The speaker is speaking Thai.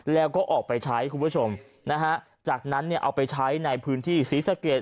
แล้วก็ออกไปใช้คุณผู้ชมนะฮะจากนั้นเนี่ยเอาไปใช้ในพื้นที่ศรีสะเกด